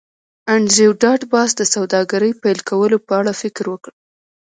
انډریو ډاټ باس د سوداګرۍ پیل کولو په اړه فکر وکړ